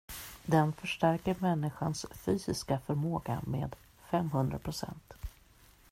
Den förstärker människans fysiska förmåga med femhundra procent.